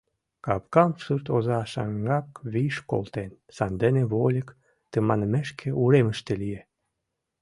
Капкам сурт оза шаҥгак виш колтен, сандене вольык тыманмешке уремыште лие.